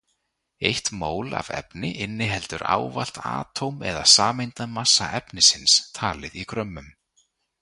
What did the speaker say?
Eitt mól af efni inniheldur ávallt atóm- eða sameindamassa efnisins, talið í grömmum.